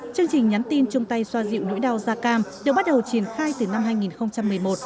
chương trình nhắn tin chung tay xoa dịu nỗi đau da cam được bắt đầu triển khai từ năm hai nghìn một mươi một